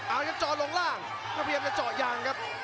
อ้าวงั้นก็จรลงร่างก็พยายามสะจอกอย่างครับ